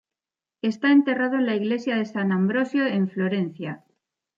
Está enterrado en la iglesia de San Ambrosio en Florencia.